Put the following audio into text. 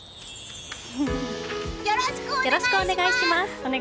よろしくお願いします！